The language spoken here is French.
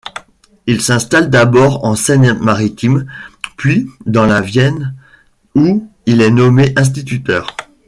Il s'installe d'abord en Seine-Maritime, puis dans la Vienne où il est nommé instituteur.